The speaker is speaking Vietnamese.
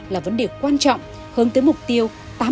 là vấn đề quan trọng hơn tới mục tiêu